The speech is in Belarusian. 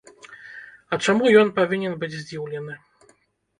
А чаму ён павінен быць здзіўлены?